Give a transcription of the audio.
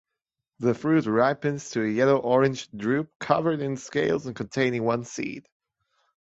The fruit ripens to a yellow-orange drupe, covered in scales and containing one seed.